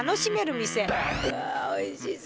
うわおいしそう。